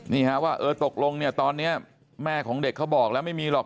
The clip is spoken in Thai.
นี่ฮะว่าเออตกลงเนี่ยตอนนี้แม่ของเด็กเขาบอกแล้วไม่มีหรอก